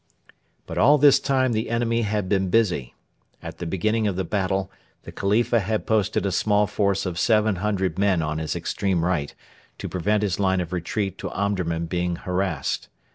But all this time the enemy had been busy. At the beginning of the battle the Khalifa had posted a small force of 700 men on his extreme right, to prevent his line of retreat to Omdurman being harassed.